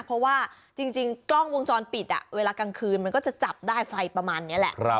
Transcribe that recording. เพราะว่าจริงกล้องวงจรปิดเวลากลางคืนมันก็จะจับได้ไฟประมาณนี้แหละ